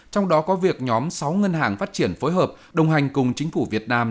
trong đó có việc nhóm sáu ngân hàng phát triển phối hợp đồng hành cùng chính phủ việt nam